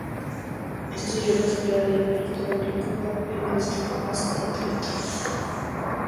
Estudió la carrera de perito agrícola, pero destacó más como atleta.